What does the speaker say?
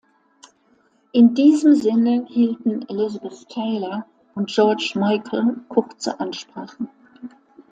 In diesem Sinne hielten Elizabeth Taylor und George Michael kurze Ansprachen.